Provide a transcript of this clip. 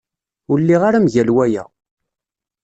Ur lliɣ ara mgal waya.